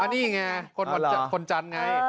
นี่ไงคนจันทร์ไง